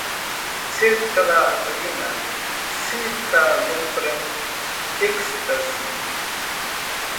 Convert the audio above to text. sertralina, citalopram, ecstazy